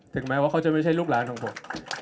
แม้ว่าเขาจะไม่ใช่ลูกหลานของผม